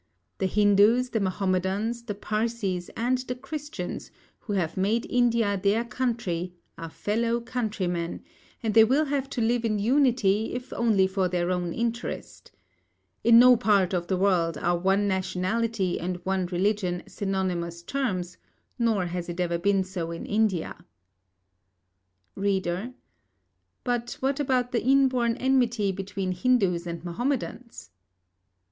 The Hindus, the Mahomedans, the Parsees and the Christians who have made India their country are fellow countrymen, and they will have to live in unity if only for their own interest. In no part of the world are one nationality and one religion synonymous terms; nor has it ever been so in India. READER: But what about the inborn enmity between Hindus and Mahomedans?